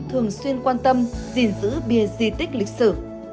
thường xuyên quan tâm gìn giữ bia di tích lịch sử